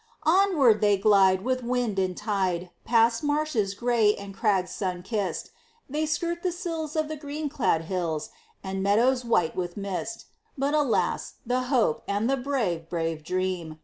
Onward they glide with wind and tide, Past marshes gray and crags sun kist; They skirt the sills of green clad hills, And meadows white with mist But alas! the hope and the brave, brave dream!